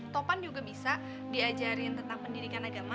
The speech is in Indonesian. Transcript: topan juga bisa diajarin tentang pendidikan agama